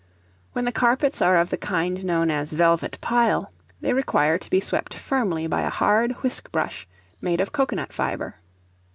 When the carpets are of the kind known as velvet pile, they require to be swept firmly by a hard whisk brush, made of cocoanut fibre.